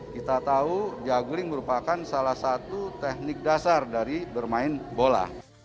kita tahu juggling merupakan salah satu teknik dasar dari bermain bola